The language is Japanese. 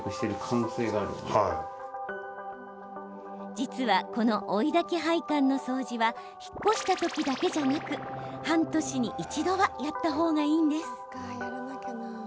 実は、この追いだき配管の掃除は引っ越した時だけじゃなく半年に一度はやった方がいいんです。